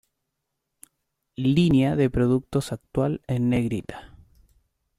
Línea de productos actual en negrita.